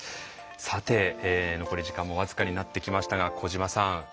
さて残り時間も僅かになってきましたが小島さん。